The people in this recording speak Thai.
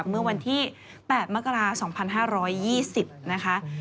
เมื่อวันที่๘มกรา๒๕๒๐นะคะ